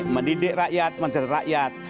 mendidik rakyat mencerit rakyat